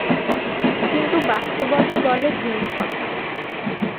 কিন্তু বাস্তবতা বলে ভিন্নকথা।